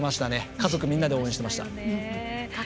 家族みんなで応援してました。